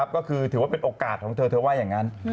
ก็คือถือว่าเป็นโอกาสของเธอเธอว่าอย่างนั้น